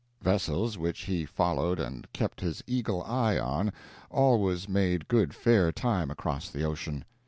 Vessels which he followed and kept his eagle eye on, always made good fair time across the ocean.